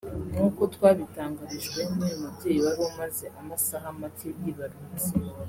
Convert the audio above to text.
nk'uko twabitangarijwe n'uyu mubyeyi wari umaze amasaha make yibarutse